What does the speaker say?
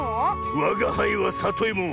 わがはいはさといも。